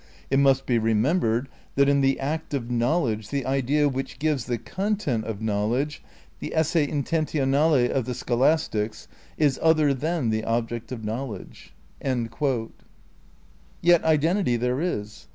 It must be remembered that, in the act of knowledge, the idea which gives the content of knowledge (the esse intentionale of the scholastics) is other than the object of knowledge." ' Yet identity there is.